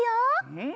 うん！